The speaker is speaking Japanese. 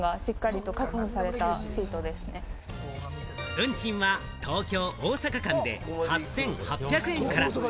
運賃は東京−大阪間で８８００円から。